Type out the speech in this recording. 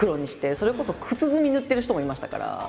それこそ靴墨塗ってる人もいましたから。